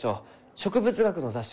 植物学の雑誌？